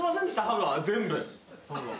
歯が全部。